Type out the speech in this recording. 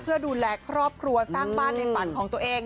เพื่อดูแลครอบครัวสร้างบ้านในฝันของตัวเอง